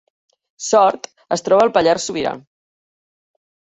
Sort es troba al Pallars Sobirà